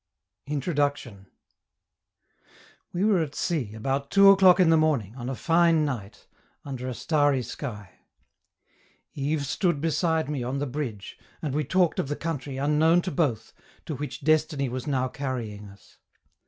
INTRODUCTION We were at sea, about two o'clock in the morning, on a fine night, under a starry sky. Yves stood beside me on the bridge, and we talked of the country, unknown to both, to which destiny was now carrying us.